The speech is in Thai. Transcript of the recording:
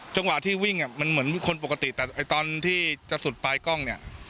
จังหวะที่วิ่งมันเหมือนคนปกติแต่ตอนที่จะสุดปลายกล้องเนี่ย